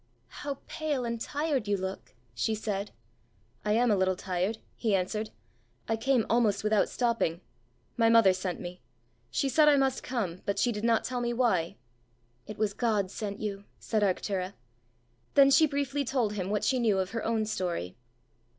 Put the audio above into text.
"How pale and tired you look!" she said. "I am a little tired," he answered. "I came almost without stopping. My mother sent me. She said I must come, but she did not tell me why." "It was God sent you," said Arctura. Then she briefly told him what she knew of her own story.